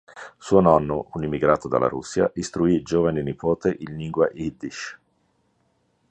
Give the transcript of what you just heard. Suo nonno, un immigrato dalla Russia, istruì il suo giovane nipote in lingua yiddish.